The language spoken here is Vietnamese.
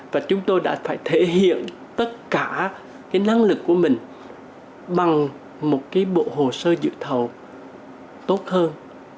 và chúng tôi đã phải thể hiện tất cả năng lực của mình bằng một bộ hồ sơ dự thầu tốt hơn